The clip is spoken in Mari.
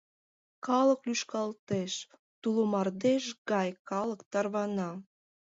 Калык лӱшкалтеш, туло мардеж гай калык тарвана.